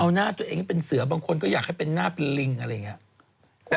เอาหน้าตัวเองให้เป็นเสือบางคนก็อยากให้เป็นหน้าเป็นลิงอะไรอย่างนี้